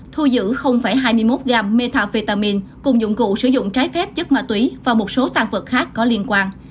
thu giữ hai mươi một gam metafetamine cùng dụng cụ sử dụng trái phép chất ma túy và một số tăng vật khác có liên quan